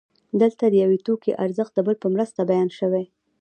دلته د یو توکي ارزښت د بل په مرسته بیان شوی